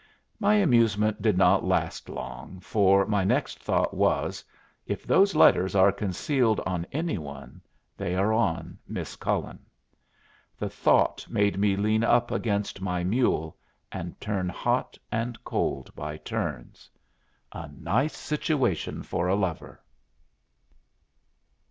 My amusement did not last long, for my next thought was, "If those letters are concealed on any one, they are on Miss Cullen." The thought made me lean up against my mule, and turn hot and cold by turns. A nice situation for a lover!